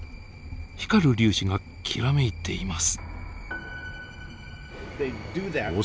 光る粒子がきらめいています。